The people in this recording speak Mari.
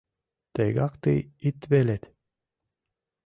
Тегак тый ит велед: